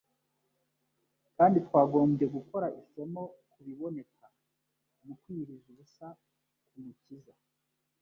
kandi twagombye gukura isomo ku biboneka mu kwiyiriza ubusa k'Umukiza.